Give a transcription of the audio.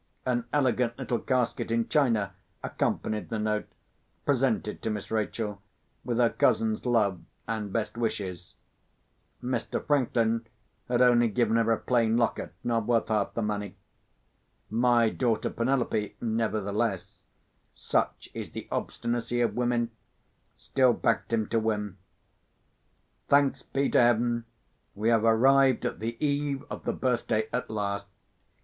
An elegant little casket in china accompanied the note, presented to Miss Rachel, with her cousin's love and best wishes. Mr. Franklin had only given her a plain locket not worth half the money. My daughter Penelope, nevertheless—such is the obstinacy of women—still backed him to win. Thanks be to Heaven, we have arrived at the eve of the birthday at last!